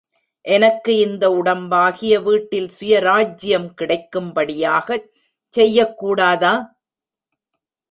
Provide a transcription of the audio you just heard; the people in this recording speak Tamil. எனக்கு இந்த உடம்பாகிய வீட்டில் சுயராஜ்யம் கிடைக்கும்படியாகச் செய்யக் கூடாதா?